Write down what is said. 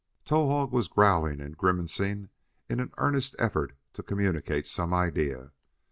Towahg was growling and grimacing in an earnest effort to communicate some idea.